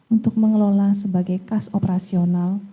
untuk mengelola sebagai kas operasional